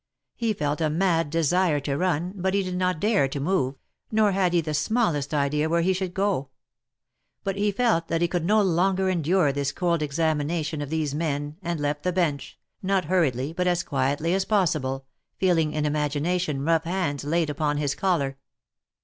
He felt a mad desire to run, but he did not dare to move, nor had he the smallest idea where he should go ; but he felt that he could no longer endure this cold examination of these men, and left the bench, not hurriedly, but as quietly as possible, feeling in imagination rough hands laid upon his collar.